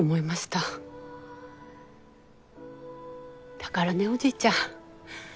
だからねおじいちゃん。